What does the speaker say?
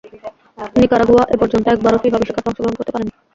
Nicaragua এপর্যন্ত একবারও FIFA বিশ্বকাপে অংশগ্রহণ করতে পারেনি।